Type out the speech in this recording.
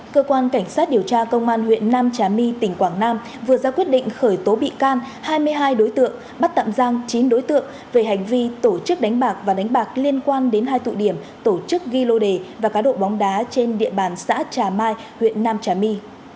cơ quan cảnh sát điều tra công an huyện nam trà my tỉnh quảng nam vừa ra quyết định khởi tố bị can hai mươi hai đối tượng bắt tạm giam chín đối tượng về hành vi tổ chức đánh bạc và đánh bạc liên quan đến hai tụ điểm tổ chức ghi lô đề và cá độ bóng đá trên địa bàn xã trà mai huyện nam trà my